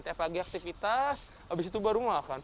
tepagi aktivitas abis itu baru makan